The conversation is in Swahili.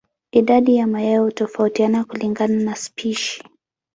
Idadi ya mayai hutofautiana kulingana na spishi.